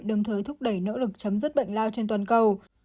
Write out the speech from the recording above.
đồng thời thúc đẩy nỗ lực chấm dứt bệnh lao trên toàn cầu